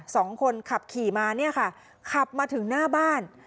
สองคนขับขี่มาเนี่ยค่ะขับมาถึงหน้าบ้าน